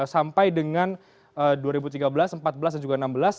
sampai dengan dua ribu tiga belas dua ribu empat belas dan juga dua ribu enam belas